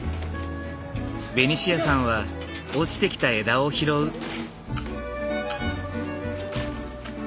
ベニシアさんは落ちてきた枝を拾う。